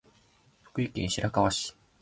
福島県白河市